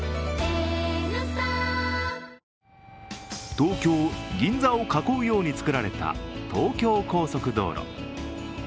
東京・銀座を囲うように造られた東京高速道路。